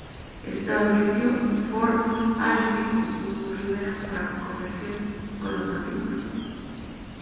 Estableció Fort Ashley en su ribera para comerciar con los nativos.